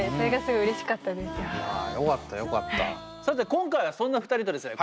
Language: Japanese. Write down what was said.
さて今回はそんな２人とですね